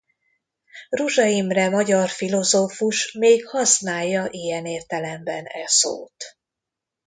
Ruzsa Imre magyar filozófus még használja ilyen értelemben e szót.